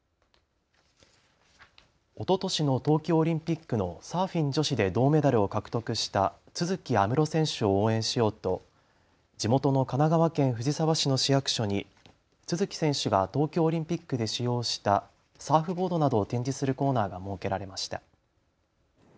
おととしの東京オリンピックのサーフィン女子で銅メダルを獲得した都筑有夢路選手を応援しようと地元の神奈川県藤沢市の市役所に都筑選手が東京オリンピックで使用したサーフボードなどを展示するコーナーが設けられました。